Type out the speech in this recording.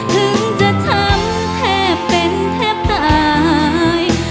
ถึงจะช้ำแทบเป็นแทบตาย